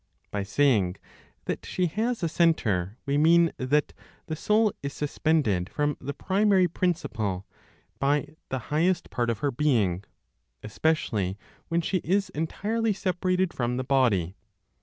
(By saying that she has a centre, we mean that) the soul is suspended from the primary Principle (by the highest part of her being), especially when she is entirely separated (from the body).